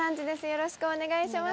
よろしくお願いします